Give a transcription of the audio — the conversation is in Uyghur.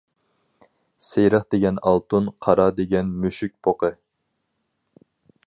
سېرىق دېگەن ئالتۇن، قارا دېگەن مۈشۈك پوقى.